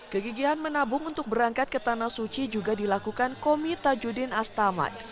kegigihan menabung untuk berangkat ke tanah suci juga dilakukan komi tajudin astaman